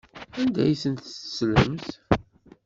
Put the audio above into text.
Anda ay tent-tettlemt?